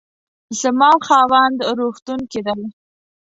زما خاوند روغتون کې دی